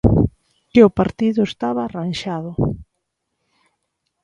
Que o partido estaba arranxado.